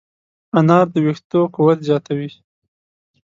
انار د ویښتو قوت زیاتوي.